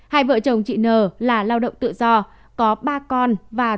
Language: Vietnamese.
hai vợ chồng chị n là lao động tự do có ba con và